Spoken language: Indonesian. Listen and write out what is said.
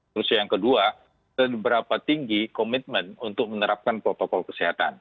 terus yang kedua seberapa tinggi komitmen untuk menerapkan protokol kesehatan